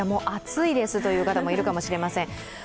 暑いという人もいるかもしれません。